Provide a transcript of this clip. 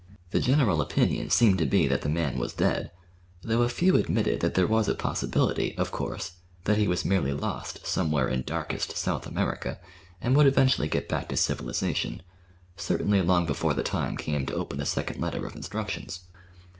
The general opinion seemed to be that the man was dead; though a few admitted that there was a possibility, of course, that he was merely lost somewhere in darkest South America and would eventually get back to civilization, certainly long before the time came to open the second letter of instructions.